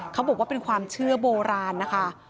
เขาบอกว่าเป็นความเชื่อโบราณนะคะ